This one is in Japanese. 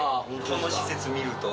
この施設見ると。